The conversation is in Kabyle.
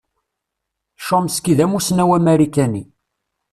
Chomsky d amussnaw amarikani.